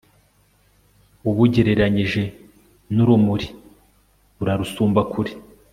ubugereranyije n'urumuri, burarusumba kure